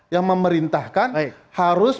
yang memerintahkan harus